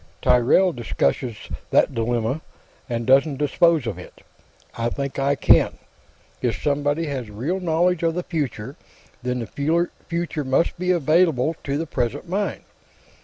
"Tyrrell discusses that dilemma, and doesn't dispose of it. I think I can. If somebody has real knowledge of the future, then the future must be available to the present mind.